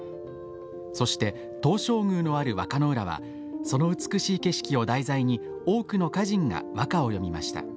そして東照宮のある和歌の浦はその美しい景色を題材に多くの歌人が和歌を詠みました。